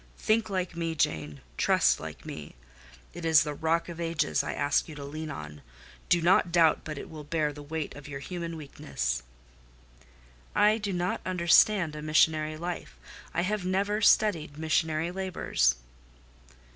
Think like me, Jane—trust like me. It is the Rock of Ages I ask you to lean on: do not doubt but it will bear the weight of your human weakness." "I do not understand a missionary life: I have never studied missionary labours."